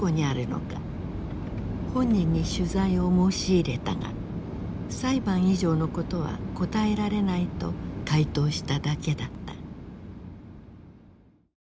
本人に取材を申し入れたが「裁判以上のことは答えられない」と回答しただけだった。